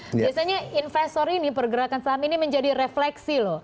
biasanya investor ini pergerakan saham ini menjadi refleksi loh